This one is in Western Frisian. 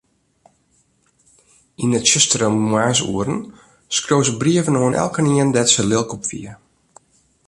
Yn 'e tsjustere moarnsoeren skreau se brieven oan elkenien dêr't se lilk op wie.